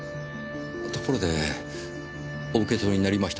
ところでお受け取りになりましたか？